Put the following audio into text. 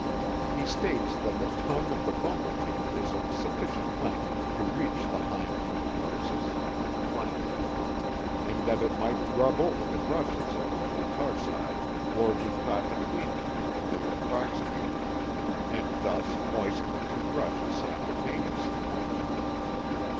He states that the tongue of the bumblebee is of sufficient length to reach the hind metatarsus (planta) and that it might rub over the brushes of the metatarsi or be caught between them when they are approximated and thus moisten the two brushes simultaneously.